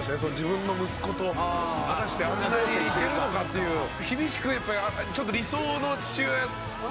自分の息子と果たしてあんなにいけるのかっていう厳しくやっぱりちょっとああいうね